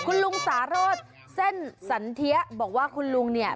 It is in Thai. ฆาตเสนสันเที๊ยบอกว่าคุณลุงเนี่ย